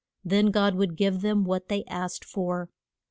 Then God would give them what they asked for.